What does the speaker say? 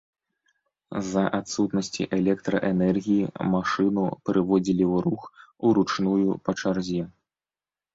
З-за адсутнасці электраэнергіі машыну прыводзілі ў рух уручную па чарзе.